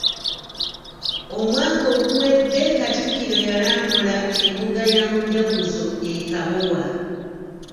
Omwaka oguwedde Katikkiro yalambula embuga ya Mujaguzo e Kabowa.